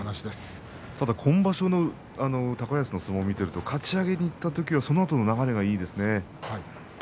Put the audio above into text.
ただ、高安の今場所の相撲を見ていくとかち上げていった時のそのあとの流れがいいですね